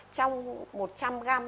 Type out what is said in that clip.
trong một trăm linh gram